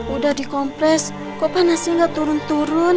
udah di kompres kok panasnya gak turun turun